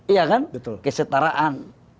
iya kan kesetaraan